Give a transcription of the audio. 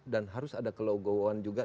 dan harus ada kelewakuan juga